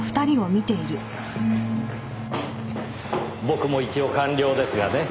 僕も一応官僚ですがね。